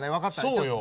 そうよ。